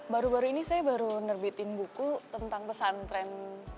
baru baru ini saya baru nerbitin buku tentang pesantren